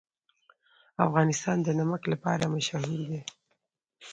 افغانستان د نمک لپاره مشهور دی.